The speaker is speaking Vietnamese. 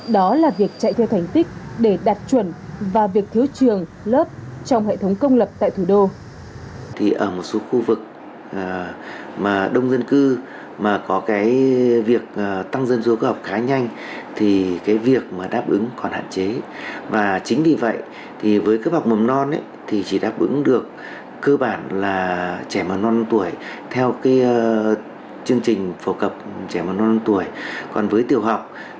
đó là việc chạy theo thành tích để đạt chuẩn và việc thiếu trường lớp trong hệ thống công lập tại thủ đô